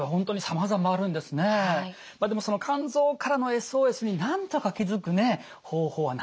まあでもその肝臓からのＳＯＳになんとか気付くね方法はないものでしょうか？